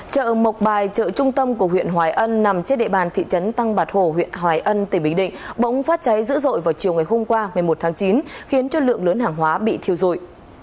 chợ mộc bài chợ trung tâm của huyện hoài ân nằm trên địa bàn thị trấn tăng bạc hổ huyện hoài ân tỉnh bình định bùng phát cháy dữ dội vào chiều ngày hôm qua một mươi một tháng chín khiến cho lượng lớn hàng hóa bị thiêu dụi